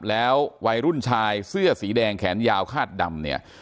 แล้ววัยรุ่นชายเสื้อสีแดงแขนยาวคาดดำเนี่ย